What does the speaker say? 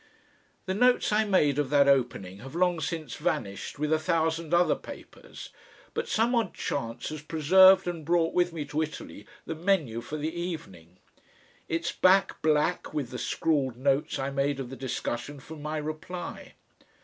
The notes I made of that opening have long since vanished with a thousand other papers, but some odd chance has preserved and brought with me to Italy the menu for the evening; its back black with the scrawled notes I made of the discussion for my reply.